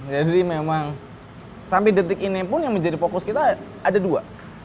memang sampai detik ini pun yang menjadi fokus kita ada dua